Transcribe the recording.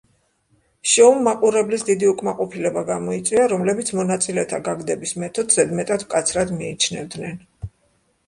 შოუმ მაყურებლის დიდი უკმაყოფილება გამოიწვია, რომლებიც მონაწილეთა გაგდების მეთოდს ზედმეტად მკაცრად მიიჩნევდნენ.